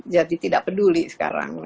jadi tidak peduli sekarang